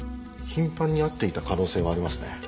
頻繁に会っていた可能性はありますね。